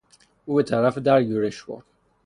او به طرف در یورش برد.